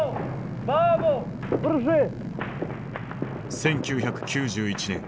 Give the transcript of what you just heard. １９９１年。